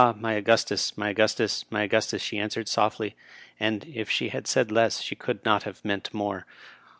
my Augustus, my Augustus, my Augustus !'' she answered softly ; and, if she had said less, she could not have meant more.